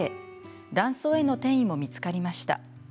卵巣への転移も見つかりました。